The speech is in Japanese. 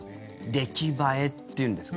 出来栄えっていうんですか？